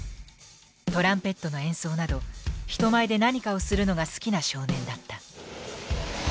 トランペットの演奏など人前で何かをするのが好きな少年だった。